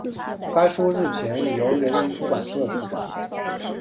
该书日前已由人民出版社出版